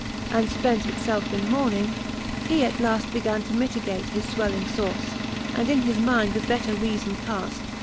And fpent it felfe in mourning, he at laft Began to mitigate his fwelling fourle. And in his mind with better reafbn caft.